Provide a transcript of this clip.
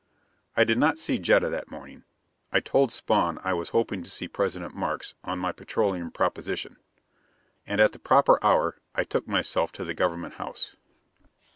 I did not see Jetta that morning. I told Spawn I was hoping to see President Markes on my petroleum proposition. And at the proper hour I took myself to the government house.